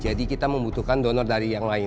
jadi kita membutuhkan donor dari yang lain